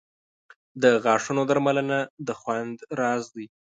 • د غاښونو درملنه د خوند راز دی.